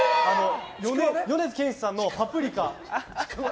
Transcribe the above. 米津玄師さんの「パプリカ」。